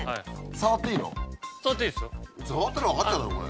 触ったら分かっちゃうだろこれ。